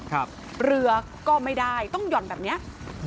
เรือก็ไม่ได้ต้องหย่อนแบบนี้